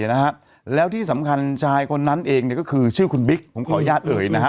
นะฮะแล้วที่สำคัญชายคนนั้นเองเนี่ยก็คือชื่อคุณบิ๊กผมขออนุญาตเอ่ยนะฮะ